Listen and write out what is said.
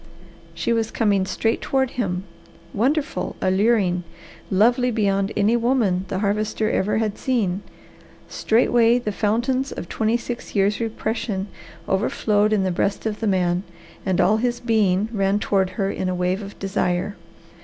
She was coming straight toward him, wonderful, alluring, lovely beyond any woman the Harvester ever had seen. Straightway the fountains of twenty six years' repression overflowed in the breast of the man and all his being ran toward her in a wave of desire.